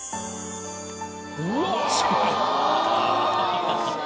うわ！